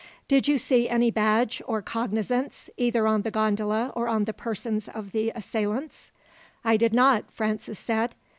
"Did you see any badge or cognizance, either on the gondola or on the persons of the assailants?" "I did not," Francis said.